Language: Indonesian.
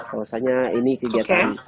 rasanya ini kegiatan